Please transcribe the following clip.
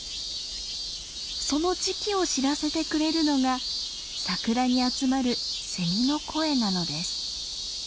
その時期を知らせてくれるのがサクラに集まるセミの声なのです。